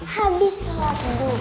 habis sholat duha kita tadi harus tidur